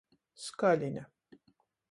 Skaline.